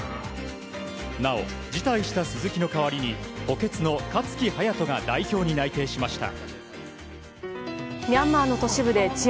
なお辞退した鈴木の代わりに補欠の勝木隼人が代表に内定しました。